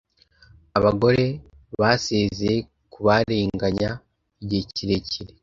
Abagore basezeye kubarenganya igihe kirekire